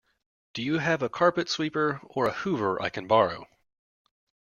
Do you have a carpet sweeper or a Hoover I can borrow?